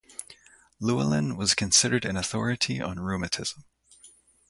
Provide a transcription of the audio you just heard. Llewellyn was considered an authority on rheumatism.